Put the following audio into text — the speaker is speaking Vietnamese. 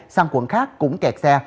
sang quận khác cũng kẹt xe